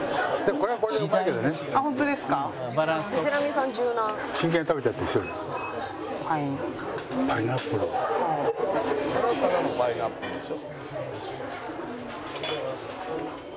「これはただのパイナップルでしょ？」